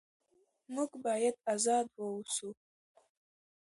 موږ باید ازاد واوسو.